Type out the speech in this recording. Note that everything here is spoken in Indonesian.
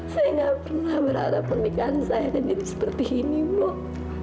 saya gak pernah berharap pernikahan saya akan jadi seperti ini pak